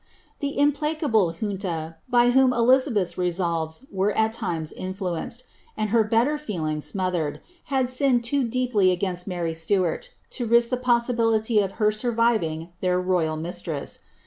The implacable Junta by whom Elizabeth's resolves were at times influenced, and her better feelings gniolhered, had sinned too deeply ■pins! M*ry Stuart, to risk the possibility of her surviving their royal niitresa.